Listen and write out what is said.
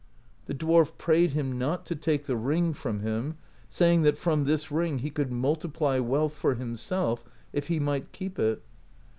The dwarf prayed him not to take the ring from him, saying that from this ring he could multiply wealth for himself if he might keep it.